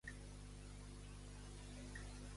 Això agradava a l'amo?